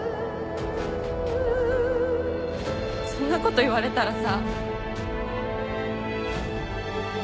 そんなこと言われたらさ。